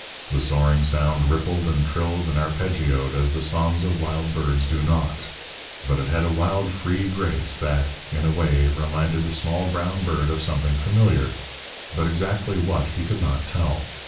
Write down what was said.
The soaring sound rippled and trilled and arpeggioed as the songs of wild birds do not; but it had a wild free grace that, in a way, reminded the small, brown bird of something familiar, but exactly what he could not tell.